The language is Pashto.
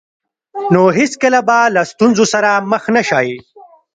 نو هېڅکله به له ستونزو سره مخ نه شئ.